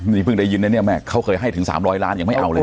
นี่เพิ่งได้ยินนะเนี่ยแม่เขาเคยให้ถึง๓๐๐ล้านยังไม่เอาเลย